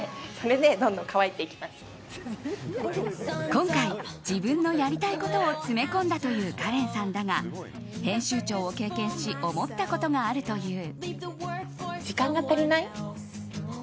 今回、自分のやりたいことを詰め込んだというカレンさんだが編集長を経験し思ったことがあるという。